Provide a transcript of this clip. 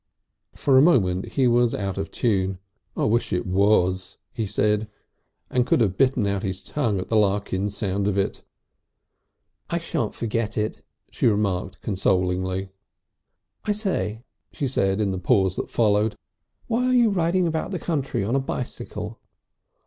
For a moment he was out of tune. "I wish it was!" he said, and could have bitten out his tongue at the Larkins sound of it. "I shan't forget it," she remarked consolingly. "I say," she said in the pause that followed. "Why are you riding about the country on a bicycle?"